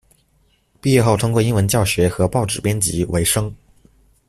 毕业后通过英文教学和报纸编辑维生。